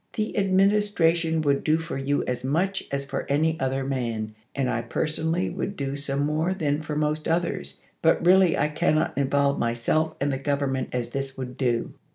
The Administration would do for you as much as for any other man; and I personally would do some more than for most others; but really I cannot involve my self and the Government as this would do.